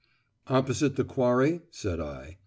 "Opposite the Quarry?" said I.